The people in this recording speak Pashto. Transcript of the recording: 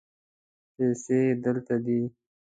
پیسې دلته دي